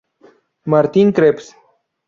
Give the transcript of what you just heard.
Martín Krebs.